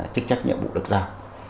chức trách nhiệm vụ được giao